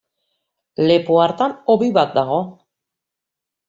Lepo hartan hobi bat dago.